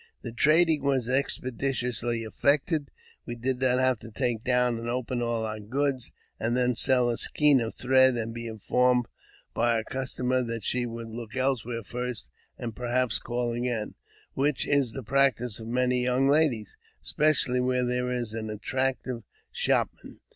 The trading was expeditiously effected; wojl did not have to take down and open all our goods, and then ; sell a skein of thread, and be informed by our customer that she would look elsewhere first, and perhaps call again, which is the practice of many young ladies, especially where there is an attractive shopman.